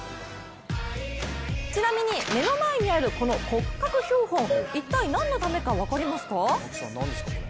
ちなみに、目の前にあるこの骨格標本、一体なんのためか分かりますか？